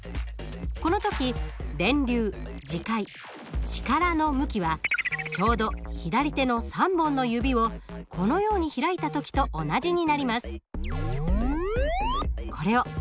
この時電流磁界力の向きはちょうど左手の３本の指をこのように開いた時と同じになります。